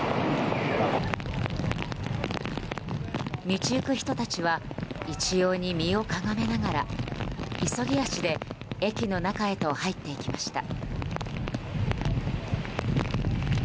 道行く人たちは一様に身をかがめながら急ぎ足で駅の中へと入っていきました。